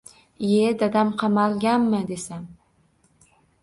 Iye, dadam qamalganmi, desam.